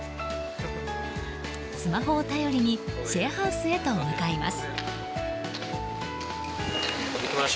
スマホを頼りにシェアハウスへと向かいます。